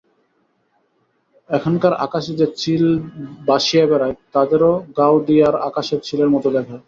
এখানকার আকাশে যে চিল বাসিয়া বেড়ায়, তাদেরও গাওদিয়ার আকাশের চিলের মতো দেখায়!